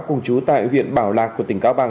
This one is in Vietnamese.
cùng chú tại huyện bảo lạc của tỉnh cao bằng